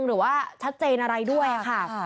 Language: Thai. หรือว่าชัดเจนอะไรด้วยค่ะ